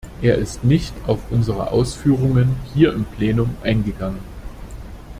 Er ist nicht auf unsere Ausführungen hier im Plenum eingegangen.